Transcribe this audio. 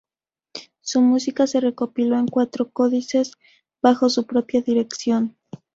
Su música se recopiló en cuatro códices bajo su propia dirección.